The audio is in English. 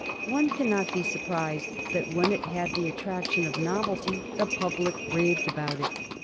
One cannot be surprised that when it had the attraction of novelty the public raved about it.